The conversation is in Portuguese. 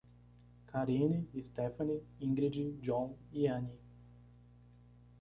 Karine, Estefani, Ingridi, Jhon e Any